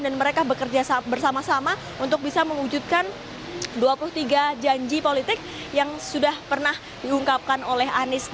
dan mereka bekerja bersama sama untuk bisa mengujudkan dua puluh tiga janji politik yang sudah pernah diungkapkan